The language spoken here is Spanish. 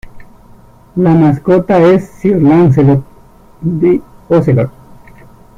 La mascota es "Sir Lancelot the Ocelot".